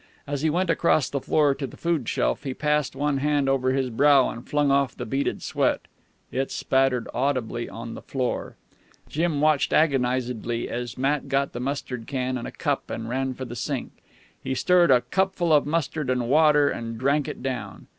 As he went across the floor to the food shelf, he passed one hand over his brow and flung off the beaded sweat. It spattered audibly on the floor. Jim watched agonizedly as Matt got the mustard can and a cup and ran for the sink. He stirred a cupful of mustard and water and drank it down.